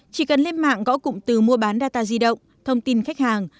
chỉ cần lên mạng gõ cụm từ mua bán data di động thông tin khách hàng